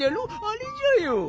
あれじゃよ！